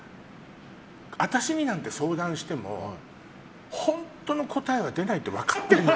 あたしになんて相談しても本当の答えは出ないって分かってるのよ。